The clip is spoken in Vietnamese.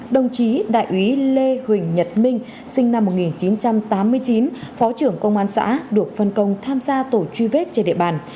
đồng chí đại úy lê huỳnh nhật minh sinh năm một nghìn chín trăm tám mươi chín phó trưởng công an xã được phân công tham gia tổ truy vết trên địa bàn